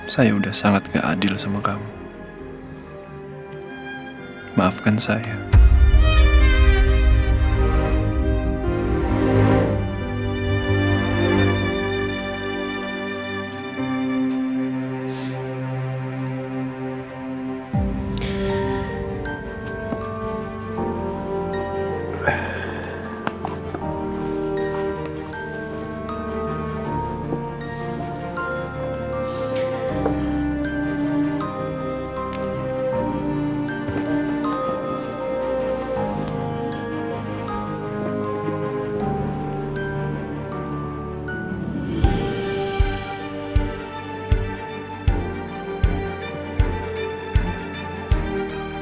saya yang udah sangat jahat melakukan ini sama kamu